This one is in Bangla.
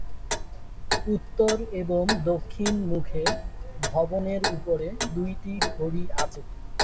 উত্তর এবং দক্ষিণ মুখে ভবনের উপরে দুটি ঘড়ি আছে।